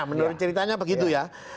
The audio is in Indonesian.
menurut ceritanya begitu ya